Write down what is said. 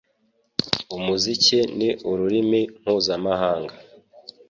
Umuziki ni ururimi mpuzamahanga.